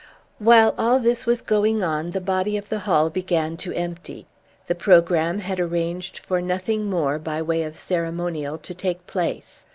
While all this was going on, the body of the hall began to empty. The programme had arranged for nothing more by way of ceremonial to take place.